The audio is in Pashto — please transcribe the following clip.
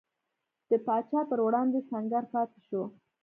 د پاچا پر وړاندې سنګر پاتې شو.